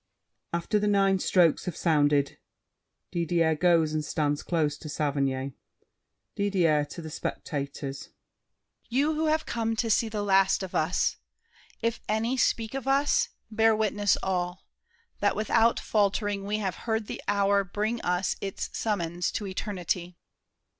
After the nine strokes have sounded, Didier goes and stands close to Saverny. DIDIER (to the spectators). You who have come to see the last of us, If any speak of us, bear witness all, That without faltering we have heard the hour Bring us its summons to eternity.